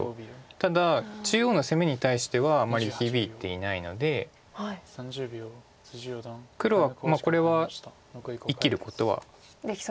ただ中央の攻めに対してはあんまり響いていないので黒はこれは生きることはできそうな気がします。